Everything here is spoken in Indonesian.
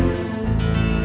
oke sampai jumpa